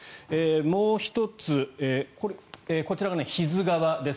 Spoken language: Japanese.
もう１つ、こちらが比津川です。